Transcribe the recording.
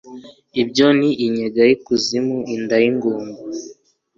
ibyo ni inyenga y'ikuzimu, inda y'ingumba